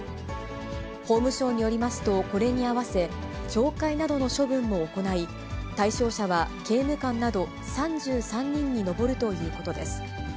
法務省によりますと、これにあわせ、懲戒などの処分も行い、対象者は刑務官など３３人に上るということです。